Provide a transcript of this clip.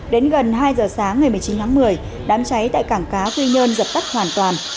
đến gần hai giờ sáng ngày một mươi chín tháng một mươi đám cháy tại cảng cá quy nhơn dập tắt hoàn toàn